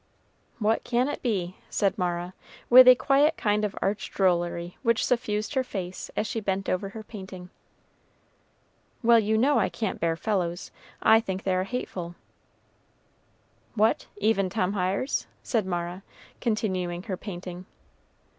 "What can it be?" said Mara, with a quiet kind of arch drollery which suffused her face, as she bent over her painting. "Well, you know I can't bear fellows I think they are hateful." "What! even Tom Hiers?" said Mara, continuing her painting.